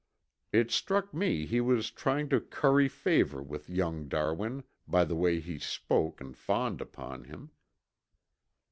It struck me he was trying to curry favor with young Darwin by the way he spoke and fawned upon him.